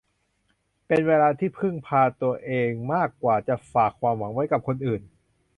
เป็นเวลาที่ต้องพึ่งพาตัวเองมากกว่าจะฝากความหวังไว้กับคนอื่น